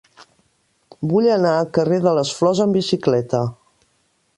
Vull anar al carrer de les Flors amb bicicleta.